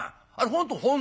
「本当。